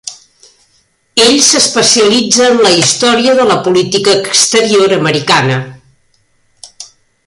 Ell s'especialitza en la història de la política exterior americana.